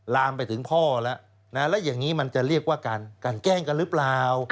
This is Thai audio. ลามไปถึงพ่อแล้วแล้วอย่างนี้มันจะเรียกว่าการแกล้งกันหรือเปล่า